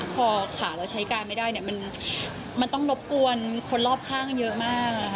พอขาเราใช้การไม่ได้มันต้องรบกวนคนรอบข้างเยอะมาก